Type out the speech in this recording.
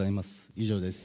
以上です。